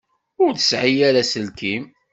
Ur tesɛi ara aselkim.